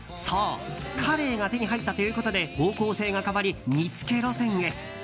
そう、カレイが手に入ったということで方向性が変わり、煮つけ路線へ。